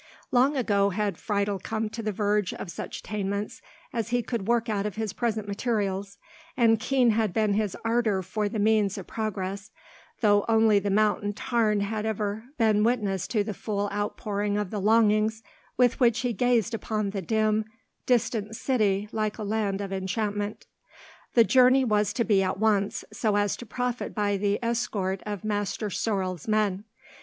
Long ago had Friedel come to the verge of such attainments as he could work out of his present materials, and keen had been his ardour for the means of progress, though only the mountain tarn had ever been witness to the full outpouring of the longings with which he gazed upon the dim, distant city like a land of enchantment. The journey was to be at once, so as to profit by the escort of Master Sorel's men.